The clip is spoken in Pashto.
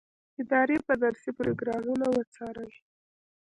ادارې به درسي پروګرامونه وڅاري.